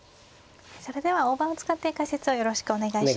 それでは大盤を使って解説をよろしくお願いします。